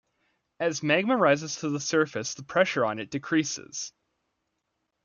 As magma rises to the surface the pressure on it decreases.